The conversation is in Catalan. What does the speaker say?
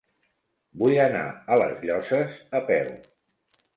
Vull anar a les Llosses a peu.